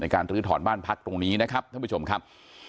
การลื้อถอนบ้านพักตรงนี้นะครับท่านผู้ชมครับ